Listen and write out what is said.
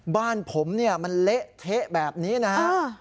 บ้านผมเนี่ยมันเละเทะแบบนี้นะฮะ